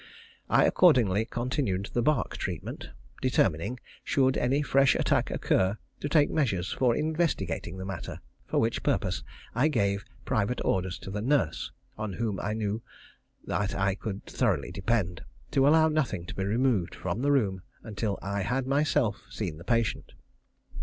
I accordingly continued the bark treatment, determining, should any fresh attack occur, to take measures for investigating the matter; for which purpose I gave private orders to the nurse, on whom I knew that I could thoroughly depend, to allow nothing to be removed from the room until I had myself seen the patient.